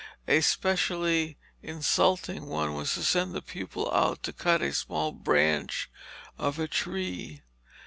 A specially insulting one was to send the pupil out to cut a small branch of a tree.